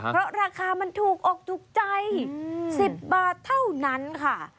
เพราะราคามันถูกอกถูกใจ๑๐บาทเท่านั้นค่ะ